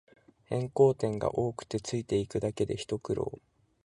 変更点が多くてついていくだけでひと苦労